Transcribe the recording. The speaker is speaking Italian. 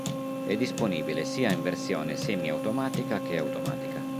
E disponibile sia in versione semiautomatica che automatica.